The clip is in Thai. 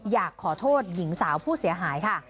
อยากขอโทษหญิงสาวผู้เสียหายค่ะ